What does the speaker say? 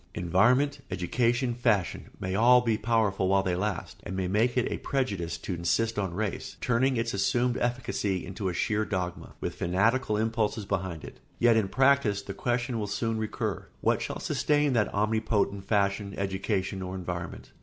] Environment, education, fashion, may be all powerful while they last and may make it seem a prejudice to insist on race, turning its assumed efficacy into a sheer dogma, with fanatical impulses behind it; yet in practice the question will soon recur: What shall sustain that omnipotent fashion, education, or environment?